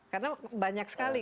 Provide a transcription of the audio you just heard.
karena banyak sekali